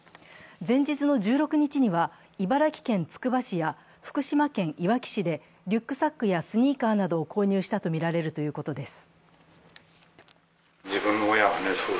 前日の１６日には茨城県つくば市や福島県いわき市でリュックサックやスニーカーなどを購入したとみられるということです。